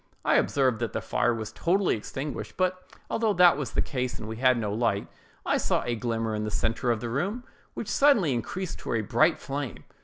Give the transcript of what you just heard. I observed that the fire was totally extinguished; but although that was the case, and we had no light, I saw a glimmer in the centre of the room, which suddenly increased to a bright flame.